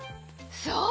そう！